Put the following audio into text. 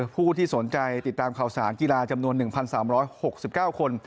ผู้ที่สนใจติดตามข่าวสารกีฬาจำนวน๑๓๖๙คน